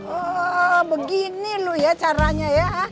oh begini loh ya caranya ya